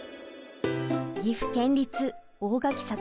岐阜県立大垣桜